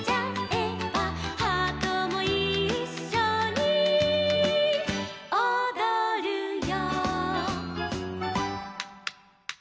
「ハートもいっしょにおどるよ」